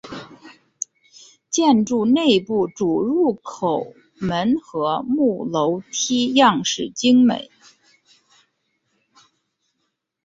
建筑内部主入口门和木楼梯样式精美。